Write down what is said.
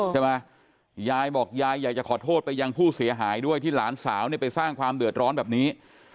ยายบอกยายอยากจะขอโทษไปยังผู้เสียหายด้วยที่หลานสาวเนี่ยไปสร้างความเดือดร้อนแบบนี้